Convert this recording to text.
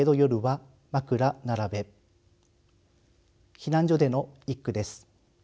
避難所での一句です。